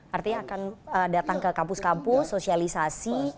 artinya akan datang ke kampus kampus sosialisasi